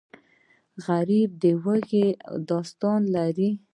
غریب د لوږې داستان لري